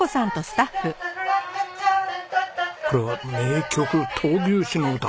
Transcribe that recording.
これは名曲『闘牛士の歌』。